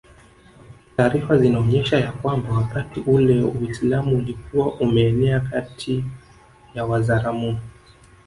Taarifa zinaonyesha ya kwamba wakati ule Uislamu ulikuwa umeenea kati ya Wazaramo